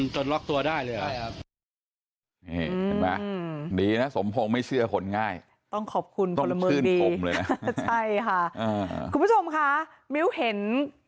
ล็อกตัวได้เลยเหรอ